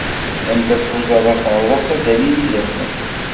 Anda tḥuzaḍ afeṛḍas, ad d-alin idammen.